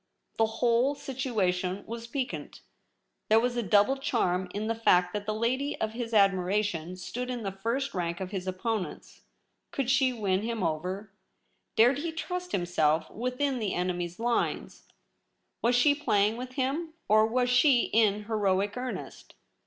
The whole situation was piquant. There was a double charm in the fact that the lady of his admira tion stood in the first rank of his opponents. Could she win him over ? Dared he trust 24 THE REBEL ROSE. himself within the enemy's Hnes ? Was she playing with him, or was she in heroic earnest